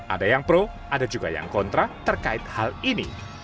ada yang pro ada juga yang kontra terkait hal ini